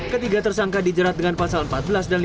ketiga tersangka dijerat dengan pasal empat belas dan lima puluh